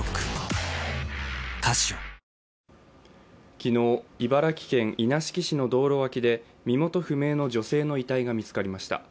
昨日、茨城県稲敷市の道路脇で身元不明の女性の遺体が見つかりました。